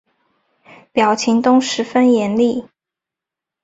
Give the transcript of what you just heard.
表情都十分严厉